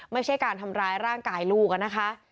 ไม่ใช่การทำร้ายร่างกายลูกอะนะคะ